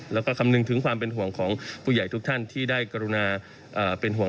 แล้วก็คำนึงถึงความเป็นห่วงของผู้ใหญ่ทุกท่านที่ได้กรุณาเป็นห่วง